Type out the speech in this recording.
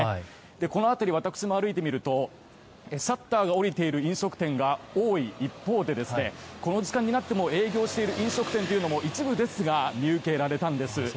この辺り私も歩いてみるとシャッターが下りている飲食店が多い一方で、この時間になっても営業している飲食店も一部ですが見受けられたんです。